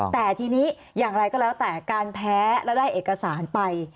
แต่ทีนี้อย่างไรก็แล้วแต่การแพ้และได้เอกสารไป